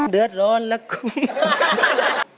เดือดร้อนแล้วคุย